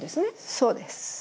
そうです。